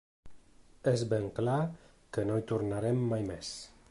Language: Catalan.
És ben clar que no hi tornarem mai més.